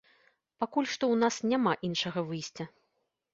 Пакуль што ў нас няма іншага выйсця.